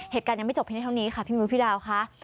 เหตุการณ์ยังไม่จบแพ็นเอ้าหรอกค่ะพี่มิวพี่อาว่ค่ะ